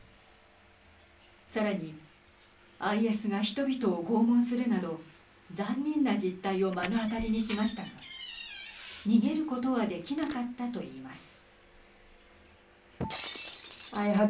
さらにＩＳが人々を拷問するなど残忍な実態を目の当たりにしましたが逃げることはできなかったといいます。